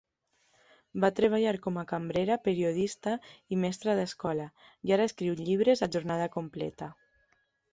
Va treballar com a cambrera, periodista i mestra d'escola i ara escriu llibres a jornada completa.